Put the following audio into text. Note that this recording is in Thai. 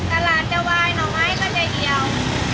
แต่หลักจะไหวหน่อไม้ก็จะเหี้ยว